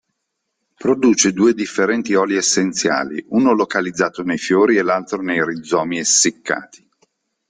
Produce due differenti olii essenziali, uno localizzato nei fiori e l'altro nei rizomi essiccati.